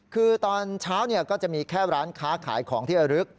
คือตอนเช้าก็จะมีแค่ร้านค้าขายของที่ระลึก